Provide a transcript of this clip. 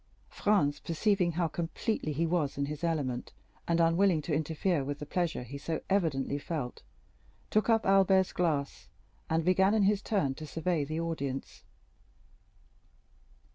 Franz perceived how completely he was in his element; and, unwilling to interfere with the pleasure he so evidently felt, took up Albert's glass, and began in his turn to survey the audience.